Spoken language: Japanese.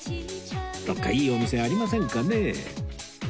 どこかいいお店ありませんかね？